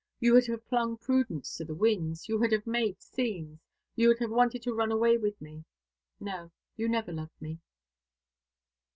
You would have flung prudence to the winds you would have made scenes you would have wanted to run away with me. No, you never loved me."